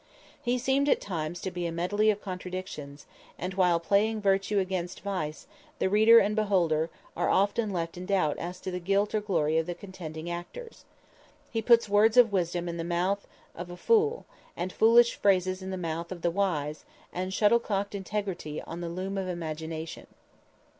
He seemed at times to be a medley of contradictions, and while playing virtue against vice, the reader and beholder are often left in doubt as to the guilt or glory of the contending actors. He puts words of wisdom in the mouth of a fool, and foolish phrases in the mouth of the wise, and shuttlecocked integrity in the loom of imagination.